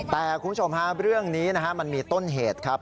แต่คุณผู้ชมฮะเรื่องนี้นะฮะมันมีต้นเหตุครับ